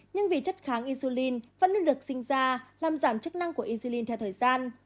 nhưng vì chất kháng insulin vẫn luôn được sinh ra làm giảm chức năng của izil theo thời gian